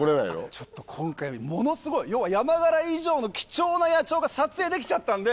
ちょっと今回ものすごいヤマガラ以上の貴重な野鳥が撮影できちゃったんで。